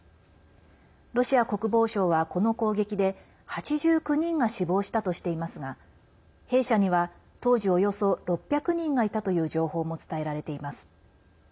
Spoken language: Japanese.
ロシア国防省は、この攻撃で８９人が死亡したとしていますが兵舎には当時およそ６００人がいたという情報も伝えられています。